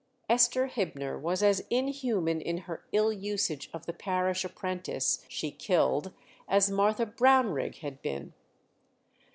Esther Hibner was as inhuman in her ill usage of the parish apprentice she killed as Martha Brownrigg had been.